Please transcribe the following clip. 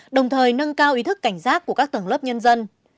đồng thời nâng cao ý thức cảnh giác của các tầng lớp nhân dân